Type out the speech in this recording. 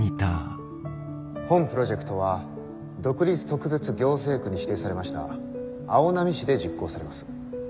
本プロジェクトは独立特別行政区に指定されました青波市で実行されます。